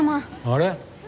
あれ？